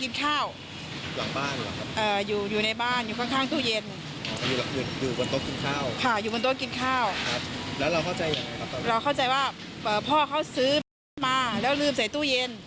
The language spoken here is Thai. ดูขวดดีอยู่ขวดมันใหม่เหมือนขวดล็อคอย่างเงี้ย